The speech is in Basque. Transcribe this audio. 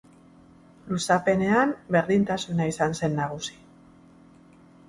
Luzapenean berdintasuna izan zen nagusi.